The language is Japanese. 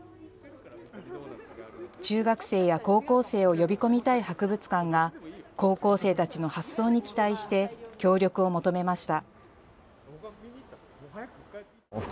中学生や高校生を呼び込みたい博物館が高校生たちの発想に期待して協力を求めました。